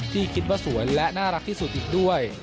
ที่คิดว่าสวยและน่ารักที่สุดอีกด้วย